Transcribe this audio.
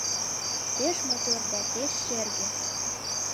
Пеш мотор да пеш шерге.